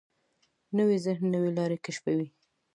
نوی ذهن نوې لارې کشفوي